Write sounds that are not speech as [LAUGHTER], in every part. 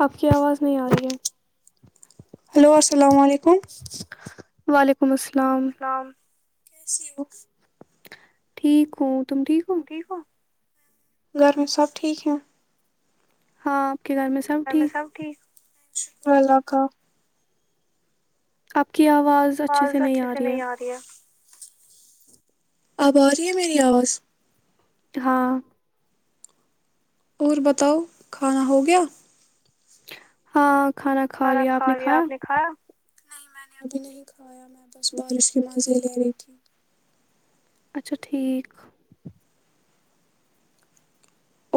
اب کی آواز نہیں آ رہی ہے [UNINTELLIGIBLE] ہلو السلام علیکم [UNINTELLIGIBLE] وعلیکم السلام نام [INAUDIBLE] ش [INAUDIBLE] ٹھیک ہوں تم ٹھیک ہو گرمی سب ٹھیک ہیں ہاں آپ کے گھر میں سب ٹھیک اللہ کا [UNINTELLIGIBLE] آپ [INAUDIBLE] کی آواز اچھے سے نہیں آ رہی ہے اب آ رہی ہے میری آواز ہاں اور بتاؤ کھانا ہو گیا ہاں کھانا کھا لیا آپ نے کھایا نہیں میں نے ابھی نہیں کھایا میں بس بارش کے مز ہی لے رہی تھی اچھا ٹھیک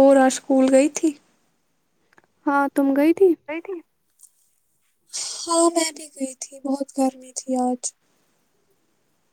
اور اور اس سکول گئی تھی ہاں تم گئی گئی تھی ہاں میں بھی گئی تھی بہت گرمی تھی آج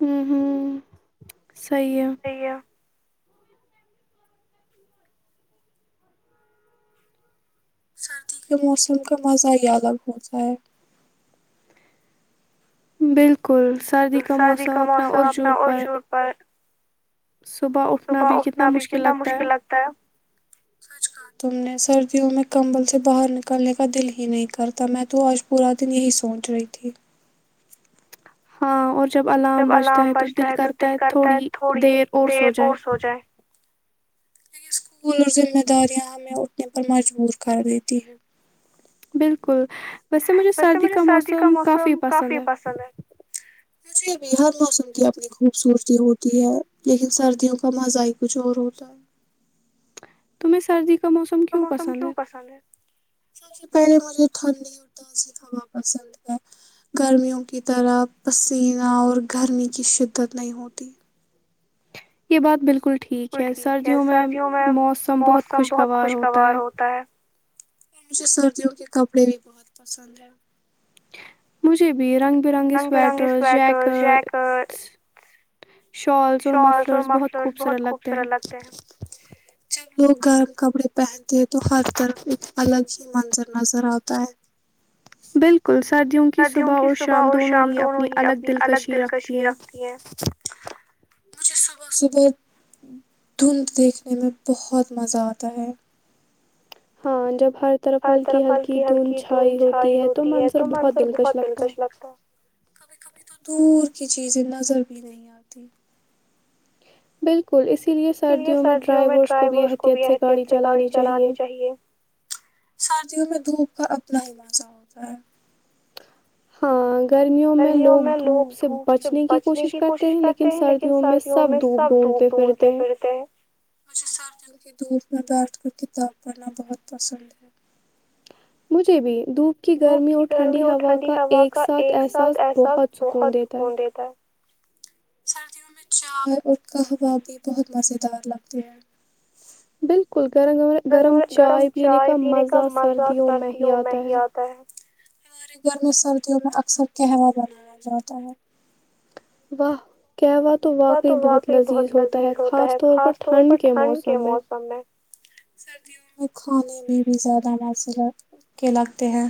ہوں ہوں صیح سردی کے موسم کا مزہ ہی الگ ہوتا ہے بالکل بالکل سردی کا موسم اپنا اور جور پر صبح اٹھنا بھی کتنا مشکل لگتا ہے سچ کہا تم نے سردیوں میں کمبل سے باہر نکلنے کا دل ہی نہیں کرتا میں تو آج پورا دن یہی سوچ رہی تھی ہاں اور جب الارم بجتا ہے تو دل کرتا ہے تھوڑی دیر اور سو جائے لیکن اسکول اور ذمہ داریاں ہمیں اٹھنے پر مجبور کر دیتی ہیں بالکل ویسے مجھے سردی کا موسم کافی پسند ہے مھے بھی ہر موسم کی اپنی خوبصورتی ہوتی ہے لیکن سردیوں کا مزہ ہی کچھ اور ہوتا ہے تمیں سردی اس کا موسم کیوں پسند ہے سب سے پہلے مجھے ٹھنڈی اور تازی ہوا پسند ہے گرمیوں کی طرح پسینہ اور گرمی کی شدت نہیں ہوتی یہ بات بالکل بالکل ٹھیک ہے سردیوں میں موسم بہت خوشگوار ہوتا ہے مجھے سردیوں کے کپڑے بھی بہت پسند ہے مجھے بھی رنگ برنگی سویٹر جیکٹ شالس اور مفلرس بہت خوبصورت لگتے ہیں وہ کر کپڑے پہنتے ہیں تو ہر طرف ایک الگ ہی منظر نظر آتا ہے بالکل سردیوں کی صبح اور شام دونوں ہی اپنی الگ دلکشی رکھتی ہیں مجھے صبح صبح دھند دیکھنے میں بہت مزہ آتا ہے ہاں جب ہر طرف ہلکی ہلکی دھند چھائی ہوتی ہے تو من سر بہت دلکش لگتا ہے کبھی کبھی تو دور کی چیزیں نظر بھی نہیں آتی بالکل اس اسی لیے سردیوں میں ڈرائیورس کو بھی احتت سے گاڑی چلانی چاہیے سردیوں میں دپ کا اپنا ہلاسہ ہوتا ہے ہاں گرمیوں میں لوگ دھوپ سے بچنے کی کوشش کرتے ہیں لیکن سردیوں میں سب دھوپ ڈھونڈتے پھرتے ہیں کی دور میں بیٹھ کر کتاب پڑھنا بہت پسند ہے ب چے بھیی دھوپ کی گرمی اور ٹھنڈی ہوا کا ایک ساتھ احساس بہت سکون دیتا ہے سردیوں میں چائے اور قوہ بھی بہت مزیدار لگتے ہیں بالکل گرم گ گرم چائے پینے کا مزہ سردیوں میں ہی آتا ہے ہمارے گرمی سردیوں میں اکثر قہوہ بنایا جاتا ہے واہ کہوا تو واقعی بہت لذیذ ہوتا ہے خاص طور پر ٹھنڈ کے موسم میں سردیوں میں کھانے میں بھی زیادہ محس کے لگتے ہیں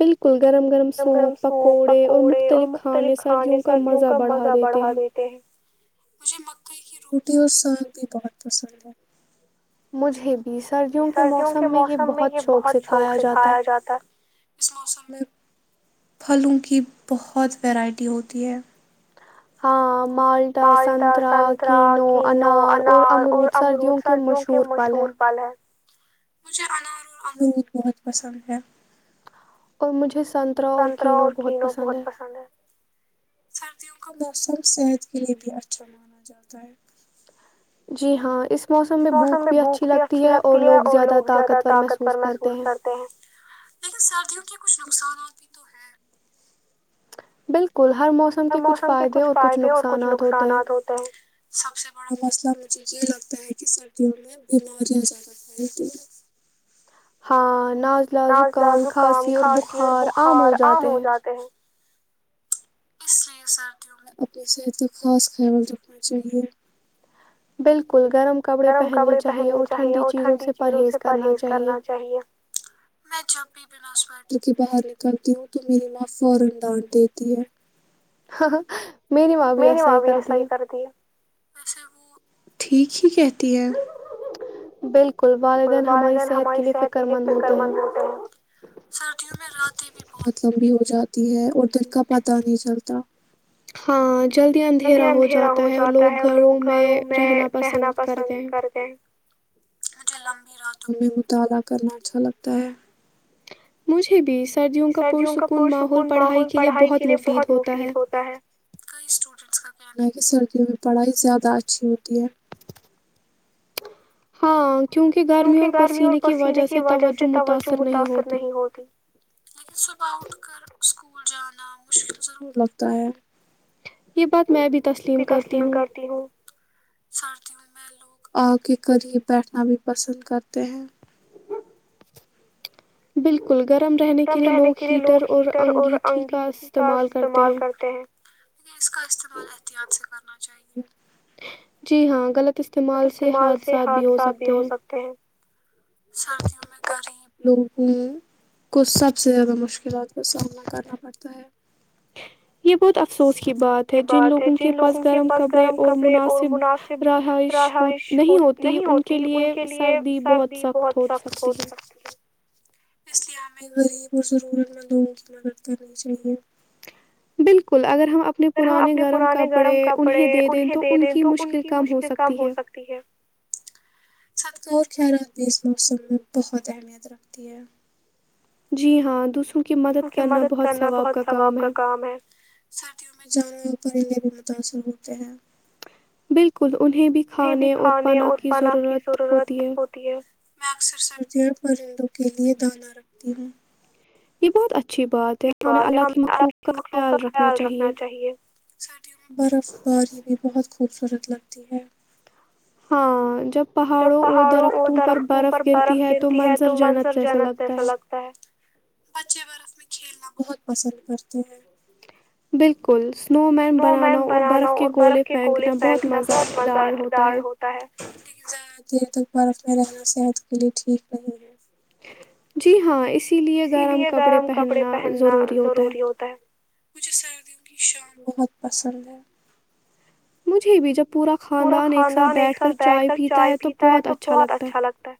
بالکل گرم گرم سوپ پکوڑے اور مختلف کھانے سردیوں کا مزہ بڑھا دیتے ہیں مجھے مکئی کی روٹی اور ساگ بھی بہت پسند ہے مجھے بھی سردیوں کے موسم میں یہ بہت شوق سکھایا جاتا ہے پھلوں کی بہت ویرائٹی ہوتی ہے ہاں مالدہ سنترا کینو انار اور امروت سردیوں کے مشہور پل ہیں مجھے انار اور امرود بہت پسند ہے اور مجھے سنترا اور کینو بہت پسند ہے ستیوں کا موسم صحت کے لیے بھی اچھا مانا جاتا ہے جی ہاں اس اس موسم میں بھوک بھی اچھی لگتی ہے اور لوگ زیادہ طاقتور محسوس کرتے ہیں لیکن سردیوں کی کچھ نقصاناتات ہی تو ہے بالکل ہ موسم کے کچھ فائدے اور کچھ نقصانات ہوتے ہیں سب سے بڑا مسئلہ مجھے یہ لگتا ہے کہ سردیوں میں بیماریاں زیادہ پ د ہاں نازلہ زکام کھانسی اور بخار عام ہو جاتے ہیں اس لیے سیوںیں اپنی صحت کا خاص خیال رکھنا چاہیے بالکل گرم کپڑے پہننے چاہیے اور ٹھنڈی چیزوں سے پرہیز کرنا چاہیے میں جب بھی بنا سویٹر کے باہر نکلتی ہوں تو میری ماں فورا ڈانٹ دیتی ہے ہاں میری ماں بھی ایسا ہی کرتی ہے ٹھیک ہی کہتی ہے بالکل گوارے دن ہماری صحت کے لیے فکر مند ہوتے ہیں سردیوں میں راتیں بھی بہت لمبی ہو جاتی تی ہے اور تن کا پتا نہیں چلتا ہاں جلدی اندھیرا ہو جاتا ہے اور لوگ گھروں میں رہنا پسند کرتے ہیں مجھے لمبی راتوں میں مطالعہ کرنا اچھا لگتا ہے مجھے بھی سردیوں کا پرسکون ماحول پڑھائی کے لیے بہت مفید ہوتا ہے کئی کا حالانکہ سردیوں میں پڑھائی زیادہ اچھی ہوتی ہے ہاں کیونکہ گرمی اور پسینے کی وجہ سے توجہ متاثر نہیں ہوتی لیکن صبح اٹھ کر اسکول جان ن مشل ر لگ داں بات بھی تسلیم کرتی ہوں میں لوگ آ کے قریب بیٹھنا بھی پسند کرتے ہیں بالکل گرم رہنے کے لیے لوگ ہیٹر اور انگیٹھی کا استعمال کرتے ہیں ل اس کا استعمال احتیاط سے کرنا چاہیے جی ہاں غلط استعمال سے حادثات بھی ہو سکتے ہیں سردیوں میں کر رہی لوگوں نے کو سب سب سے زیادہ مشکلات کا سامنا کرنا پڑتا ہے افسوس کی بات ہے جن لوگوں کے پاس گرم کپڑے اور مناسب رہائش ہو نہیں ہوتی ان کے لیے سردی بہت سخت ہو سکتی ہے اس لیے ہمیں غریب اور ضرورت مندوگوں کی مدد کرنی چاہیے بالکل اگر ہم اپنے پرانے گرم کپڑے انہیں دے دیں تو ان کی مشکل کم ہو سکتی ہے صدقہ اور خیالات بھی اس موسم میں بہت اہمیت رکھتی ہے جی ہاں دوسرا ان کی مدد کرنا بہت ثواب کا کام ہے سھیوں میں جانوروں پر ہلے بھی متاثر ہوتے ہیں بالکل انہیں بھی کھانے اور پناہ کی ضرورت ہوتی ہے میں اکثر سردیں پرندوں کے لیئے دانہ رکھتی ہوں یہ بہت اچا [UNINTELLIGIBLE] [UNINTELLIGIBLE] ہمیں مخلوق کا خیال رکھنا چاہیے برف باری بھی بت خوبصورت لگتی ہے ہاں جب پہاڑوں اور درختوں پر برف گرتی ہے تو منظر جنت جیسا لگتا ہے کھیلنا بہت پسند کرتے ہیں بیک [UNINTELLIGIBLE] سنو مین بنانا اور برف کے گولے پھینکنا بہت مزے دار ہوتا ہے دیر تک برف میں رہنا صحت کے لیے ٹھیک نہیں ہے جی ہاں اس [UNINTELLIGIBLE] اسی لیے گرم کپڑے پہننا ضروری ہوتا ہے مجھے سردیوں بہت پسند ہے مجھے بھی جب پورا خاندان ایک ساتھ بیٹھ کر چائے پیتا ہے تو بہت اچھا لگتا ہے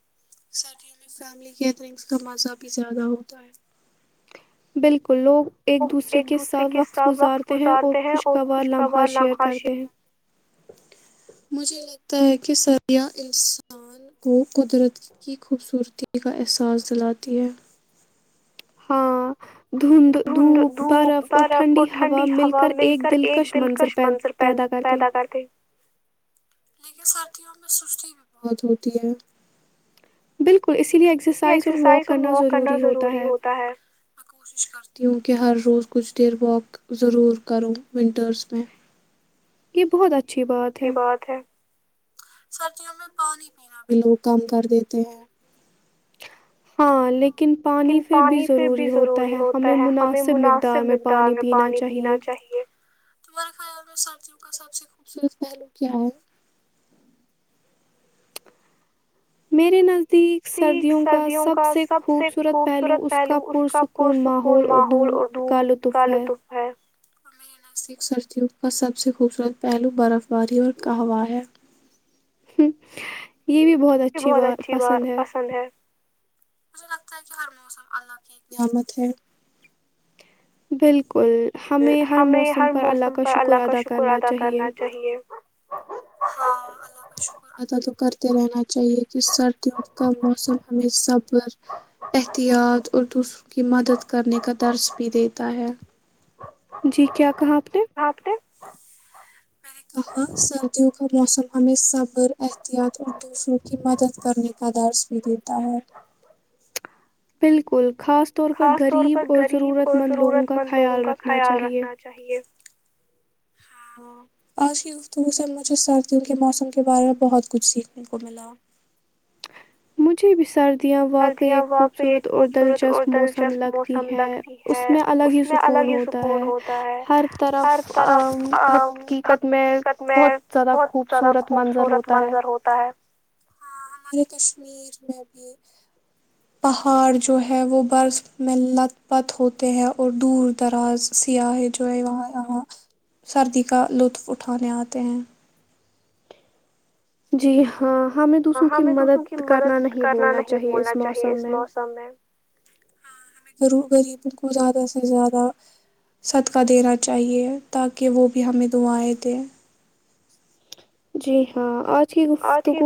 سٹینلی فیملی کییدرنگز کا مزہ بھی زیادہ ہوتا ہے بالکل لوگ ایک دوسرے کے ساتھ وقت گزارتے ہیں اور خوشگوار لمحہ شیئر کرتے ہیں تہ کہ سرہ انسان کو قدرت کی خوبصورتی کا احساس دلاتی ہے [UNINTELLIGIBLE] ہاں دھند دھوپ برف اور ٹھنڈی ہوا مل کر ایک دلکش منظر پیدا کرتے لیکن ساتاتھیوں میں سستی بھی بہت ہوتی ہے بالکل اسی [UNINTELLIGIBLE] ایکسرسائز اور واک کرنا ضروری ہوتا ہے میں کوشش کرتی ہوں کہہ ہر روز کچھ دیر واک ضرور کروں ونٹرس میں یہ بہت اچھا اچھی بات ہے سردیوں میں پانی پینا بھی لوگ کم کر دیتے ہیں ہاں ل یکن پانی پھر بھی ضروری ہوتا ہے ہمیں مناسب مقدار میں پانی پینا چاہیے تمہارے خیال میں سردی کا سب سے خوبصورت پہلو کیا ہے میرے ن سیک سردیوں کا سب سے خوبصورت پہلو اس کا پرسکون ماحول اور دھوپ کا لطف ہے الاسک سردیوں کا سب سے خوبصورت پہلو برفباری اور قواں ہے ہاں یہ بھی بہت اچھی بات پسند ہے مجھے لگتا ہے کہ ہر موسم اللہ کی ایک نعمت ہے بالکل ہمیں ہر موسم پر اللہ کا شکر ادا کرنا چاہیے ہاں اللہ کا شکر ادا تو کرتے رہنا چاہیے کہ سردیوں کا موسم ہمیں صبر احتیاط اور دوسروں کی مدد کرنے کا درس بھی دیتا ہے جی کیا کہاں آپتے میں نے کہا، سردیوں کا موسم ہمیں صبر احتیاط اور دوسروں کی مدد کرنے کا دارث بھی دیتا ہے بالکل خاص طور پر غریب اور ضرورت مند لوگوں کا خیال رکھنا چاہیئے ہاں آج کی گفتگو سے مجھے سردیوں کے موسم کے بارے میں بہت کچھ سیکھنے کو ملا مجھے بسال یاں واقع یہ خوبصورت اور دلچسپ موسم لگتی ہے اس میں الگ ہی سکون ہوتا ہے ہر طرف حقیقت میں بہت زیادہ خوبصورت منظر ہوتا ہے کشمیر میں بھی پہاڑ جو ہے وہ برف میں لت پت ہوتے ہیں اور دور دراز سیاحے جو ہے وہاںاں سردی کا لطف اٹھانے آتے ہیں جی ہاں ہمیں دوسروں کی مدد کرنا نہیں بولنا چاہیے اس موسم میں غریبوں کو زیادہ سے زیادہ صدقہ دینا چاہیے تاکہ وہ بھی ہمیں دعائیں دیں جی ہاں اور آج ہی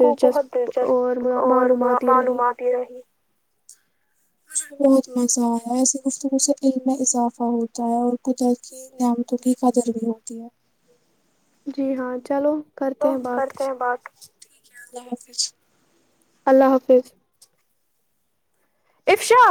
کو بہت دلچسپ اور معلومات یہ رہی کجھ بہت مزہ آیا ایسی گفتگو سے علم میں اضافہ ہوتا ہے اور قدرتی نعمتوں کی قدر بھی ہوتی ہے جی ہاں چلو کرتے ہیں بات ٹھیک ہے اللہ حافظ اللہ حافظ افشا